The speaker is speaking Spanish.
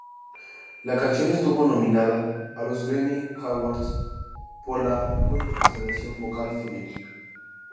La canción estuvo nominada a los Grammy Awards por la mejor interpretación vocal femenina.